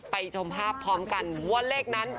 ชมภาพพร้อมกันว่าเลขนั้น